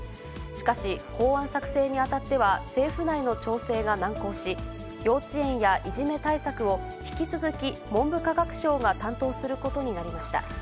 しかし、法案作成に当たっては政府内の調整が難航し、幼稚園やいじめ対策を、引き続き、文部科学省が担当することになりました。